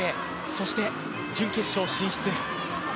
そして準決勝進出。